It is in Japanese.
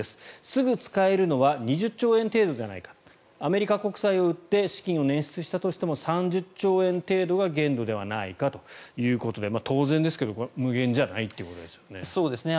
すぐ使えるのは２０兆円程度じゃないかアメリカ国債を売って資金を捻出したとしても３０兆円程度が限度ではないかということで当然ですけれど無限じゃないということですね。